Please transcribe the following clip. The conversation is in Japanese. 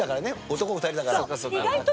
男２人だから。